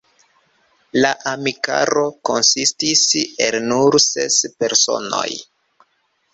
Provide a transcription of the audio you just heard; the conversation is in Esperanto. La amikaro konsistis el nur ses personoj.